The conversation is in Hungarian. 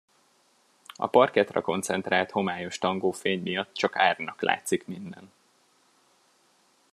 A parkettra koncentrált homályos tangófény miatt csak árnynak látszik minden.